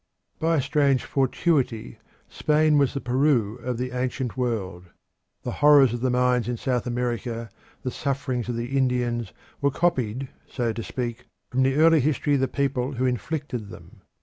By a strange fortuity, Spain was the Peru of the ancient world. The horrors of the mines in South America, the sufferings of the Indians, were copied, so to speak, from the early history of the people who inflicted them.